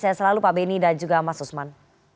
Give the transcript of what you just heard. saya selalu pak beni dan juga mas usman